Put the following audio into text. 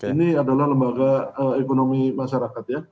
ini adalah lembaga ekonomi masyarakat ya